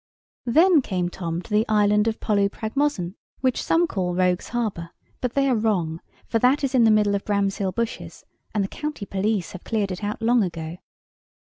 Then came Tom to the Island of Polupragmosyne (which some call Rogues' Harbour; but they are wrong; for that is in the middle of Bramshill Bushes, and the county police have cleared it out long ago).